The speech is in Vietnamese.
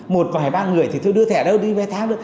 một vài ba người thì thôi đưa thẻ đâu đi vé tháng